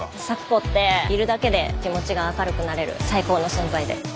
咲子っているだけで気持ちが明るくなれる最高の存在で。